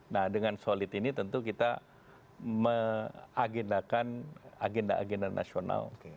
nah dengan solid ini tentu kita mengagendakan agenda agenda nasional